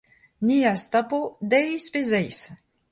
Ni az tapo deiz pe zeiz.